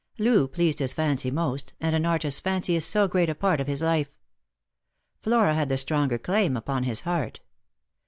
Loo pleased his fancy most, and an artist's fancy is so great a part of his life. Flora had the stronger claim upon his heart.